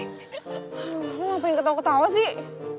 lu ngapain ketawa ketawa sih